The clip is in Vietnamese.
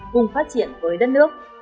cùng phát triển với đất nước